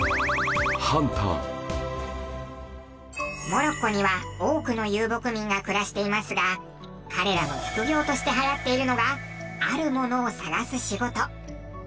モロッコには多くの遊牧民が暮らしていますが彼らの副業として流行っているのがあるものを探す仕事。